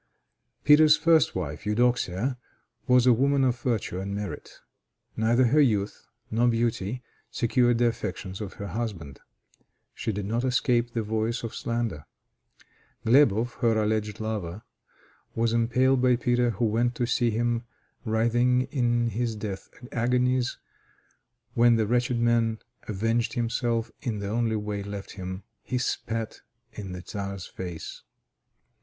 Peter's first wife, Eudoxia, was a woman of virtue and merit. Neither her youth nor beauty secured the affections of her husband. She did not escape the voice of slander. Gleboff, her alleged lover, was impaled by Peter, who went to see him writhing in his death agonies, when the wretched man avenged himself in the only way left him: he spat in the Czar's face.